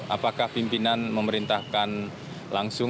apakah pimpinan memerintahkan langsung